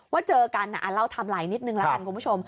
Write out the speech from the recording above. ว่าเจอกันเล่าทำลายนิดนึงละกันคุณผู้ชม